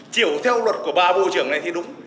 kiểu theo luật của bà bộ trưởng này thì đúng